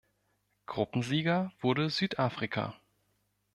Gruppensieger wurde Südafrika.